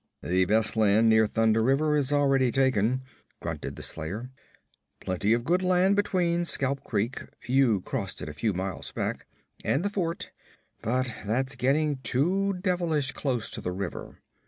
'The best land near Thunder River is already taken,' grunted the slayer. 'Plenty of good land between Scalp Creek you crossed it a few miles back and the fort, but that's getting too devilish close to the river.